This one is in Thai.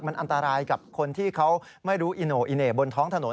มันอันตรายกับคนที่เขาไม่รู้อิโน่อีเหน่บนท้องถนน